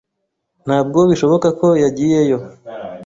Ntabwo bishoboka ko yagiyeyo.